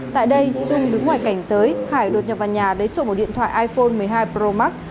tại đây trung đứng ngoài cảnh giới hải đột nhập vào nhà lấy trộm một điện thoại iphone một mươi hai pro max